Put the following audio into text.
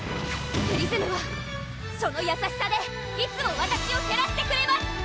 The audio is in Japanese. プリズムはその優しさでいつもわたしをてらしてくれます！